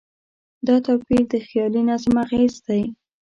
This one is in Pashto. دا توپیر د خیالي نظم اغېز دی.